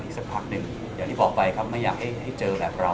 สักพักหนึ่งอย่างที่บอกไปครับไม่อยากให้เจอแบบเรา